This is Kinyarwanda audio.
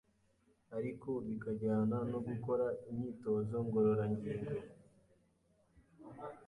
ariko bikajyana no gukora imyitozo ngororangingo